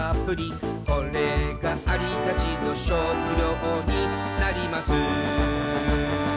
「これがアリたちの食料になります」